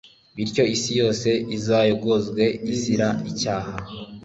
bityo isi yose izayogozwe izira icyaha